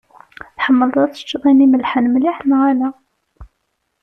Tḥemmleḍ ad teččeḍ ayen imellḥen mliḥ neɣ ala?